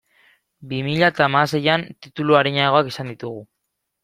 Bi mila eta hamaseian titulu arinagoak izango ditugu.